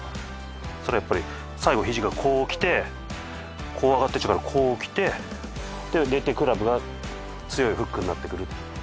それやっぱり最後肘がこう来てこう上がってっちゃうからこう来てクラブが強いフックになってくる。